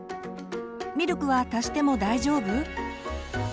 「ミルクは足しても大丈夫？」。